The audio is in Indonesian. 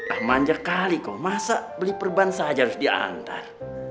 ah manja kali kau masa beli perban saja harus diantar